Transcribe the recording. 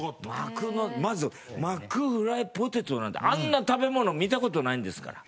まずマックフライポテトなんてあんな食べ物見た事ないんですから。